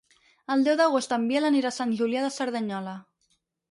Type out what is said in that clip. El deu d'agost en Biel anirà a Sant Julià de Cerdanyola.